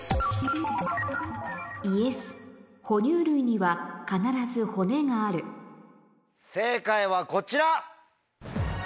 ＹＥＳほ乳類には必ず骨がある正解はこちら！